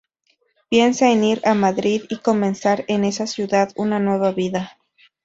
Piensa en ir a Madrid y comenzar en esa ciudad una nueva vida.